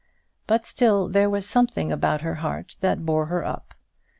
But still there was something about her heart that bore her up.